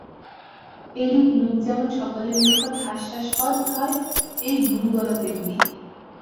এইরূপ লোক যেমন সকলের নিকট হাস্যাস্পদ হয়, এই গুরুগণও তেমনি।